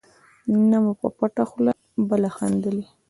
نه مو په پټه خوله بله خندلي.